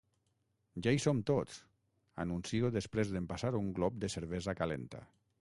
Ja hi som tots! —anuncio després d'empassar un glop de cervesa calenta.